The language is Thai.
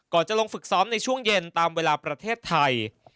จะลงฝึกซ้อมในช่วงเย็นตามเวลาประเทศไทย